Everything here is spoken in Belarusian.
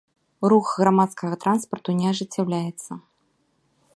Рух грамадскага транспарту не ажыццяўляецца.